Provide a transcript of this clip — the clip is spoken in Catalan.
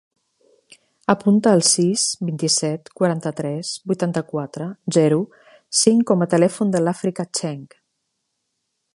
Apunta el sis, vint-i-set, quaranta-tres, vuitanta-quatre, zero, cinc com a telèfon de l'Àfrica Cheng.